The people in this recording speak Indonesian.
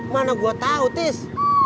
mana gua tahu tis